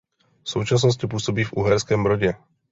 V současnosti působí v Uherském Brodě.